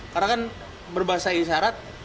karena kan berbahasa isyarat